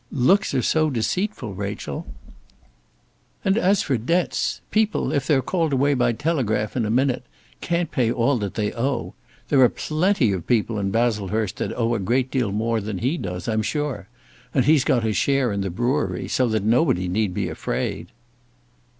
"Looks are so deceitful, Rachel." "And as for debts, people, if they're called away by telegraph in a minute, can't pay all that they owe. There are plenty of people in Baslehurst that owe a deal more than he does, I'm sure. And he's got his share in the brewery, so that nobody need be afraid."